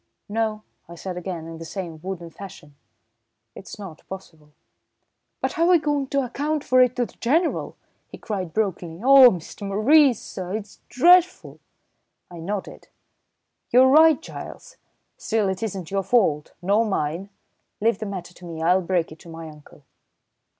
"No," I said again, in the same wooden fashion. "It's not possible." "But how're we going to account for it to the General?" he cried brokenly. "Oh, Mr. Maurice, sir, it's dreadful!" I nodded. "You're right, Giles! Still, it isn't your fault, nor mine. Leave the matter to me. I'll break it to my uncle."